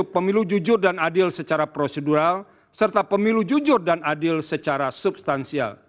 pemilu jujur dan adil secara prosedural serta pemilu jujur dan adil secara substansial